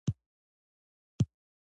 خرما د معدې تیزابیت کموي.